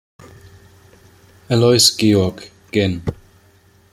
Aloys Georg, gen.